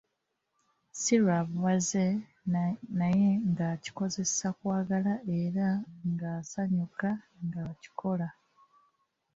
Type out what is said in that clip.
Si lwa buwaze naye ng'akikozesa kwagala era ng'asanyuka ng'akikola.